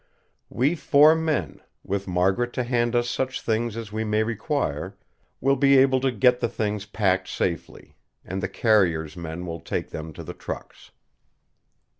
We four men, with Margaret to hand us such things as we may require, will be able to get the things packed safely; and the carrier's men will take them to the trucks.